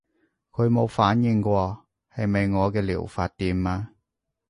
佢冇反應喎，係咪我嘅療法掂啊？